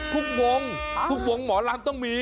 ทุกวงทุกวงหมอลำต้องมี